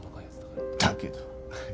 だけど。